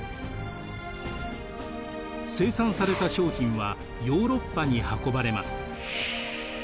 生産された商品はヨーロッパに運ばれます。